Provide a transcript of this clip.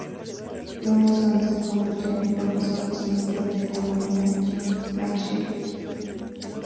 Louis, donde se convirtió en el Profesor Distinguido de Economía de John H. Biggs.